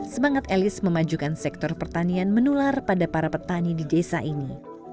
semangat elis memajukan sektor pertanian menular pada para petani di desa ini